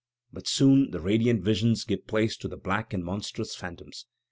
"But soon the radiant visions give place to black and monstrous phantoms....